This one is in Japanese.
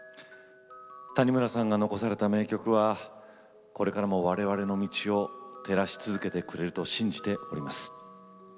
谷村さんが残された名曲はこれからも我々の道を照らし続けてくれると信じております。